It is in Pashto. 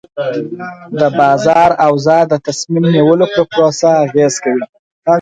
د بازار اوضاع د تصمیم نیولو پر پروسه اغېز کوي.